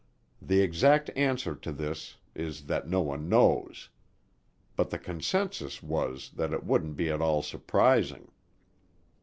The exact answer to this is that no one knows. But the consensus was that it wouldn't be at all surprising.